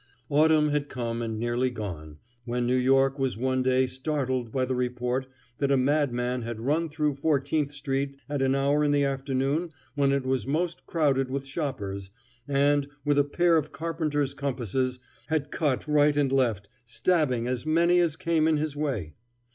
Autumn had come and nearly gone, when New York was one day startled by the report that a madman had run through Fourteenth street at an hour in the afternoon when it was most crowded with shoppers, and, with a pair of carpenter's compasses, had cut right and left, stabbing as many as came in his way.